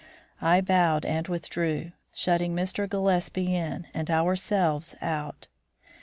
I bowed and withdrew, shutting Mr. Gillespie in and ourselves out.